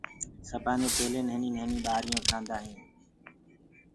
سبآندي پيلي نهيني نهيني ٻآريون ٺآندآ هين۔